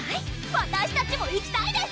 わたしたちも行きたいです